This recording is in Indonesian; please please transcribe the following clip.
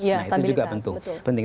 nah itu juga penting